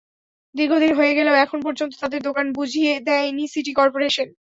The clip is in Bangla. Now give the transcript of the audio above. দীর্ঘদিন হয়ে গেলেও এখন পর্যন্ত তাঁদের দোকান বুঝিয়ে দেয়নি সিটি করপোরেশন।